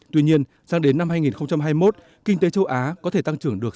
tuy nhiên sang đến năm hai nghìn hai mươi một kinh tế châu á có thể tăng trưởng được tám